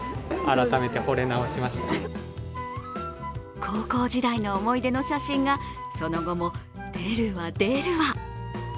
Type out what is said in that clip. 高校時代の思い出の写真がその後も出るわ、出るわ。